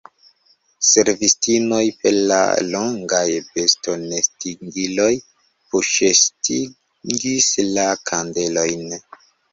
Servistinoj per la longaj bastonestingiloj puŝestingis la kandelojn.